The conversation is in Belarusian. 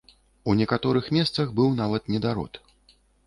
У некаторых месцах быў нават недарод.